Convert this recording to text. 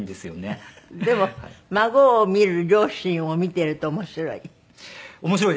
でも孫を見る両親を見てると面白い？